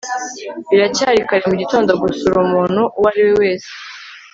biracyari kare mugitondo gusura umuntu uwo ari we wese